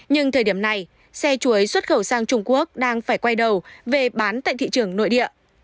nhưng thời điểm này xe chuối xuất khẩu sang trung quốc đang phải quay đầu về bán tại thị trường nội địa